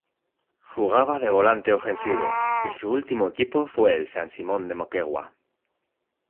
Jugaba de volante ofensivo y su último equipo fue el San Simón de Moquegua.